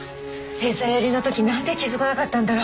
餌やりの時何で気付かなかったんだろう。